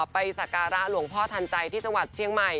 สักการะหลวงพ่อทันใจที่จังหวัดเชียงใหม่